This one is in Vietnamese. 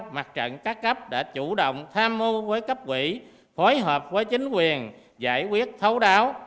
mặt trận các cấp đã chủ động tham mưu với cấp quỹ phối hợp với chính quyền giải quyết thấu đáo